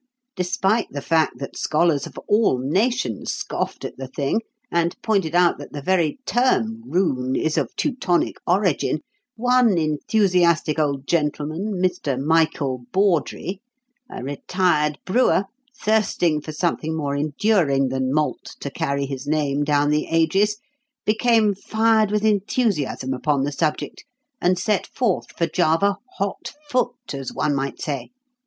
Despite the fact that scholars of all nations scoffed at the thing, and pointed out that the very term 'rune' is of Teutonic origin, one enthusiastic old gentleman Mr. Michael Bawdrey, a retired brewer, thirsting for something more enduring than malt to carry his name down the ages became fired with enthusiasm upon the subject, and set forth for Java 'hot foot,' as one might say.